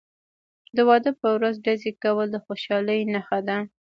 د واده په ورځ ډزې کول د خوشحالۍ نښه ده.